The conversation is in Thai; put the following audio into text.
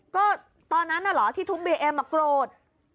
ก็ตอนนั้นน่ะเหรอที่ทุบบีเอ็มมาโกรธ